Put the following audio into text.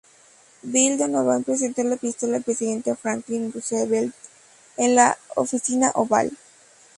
Bill Donovan presentó la pistola al presidente Franklin Roosevelt en la Oficina Oval.